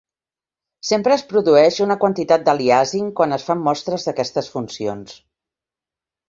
Sempre es produeix una quantitat d'aliàsing quan es fan mostres d'aquestes funcions.